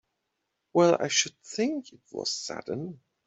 Well I should think it was sudden!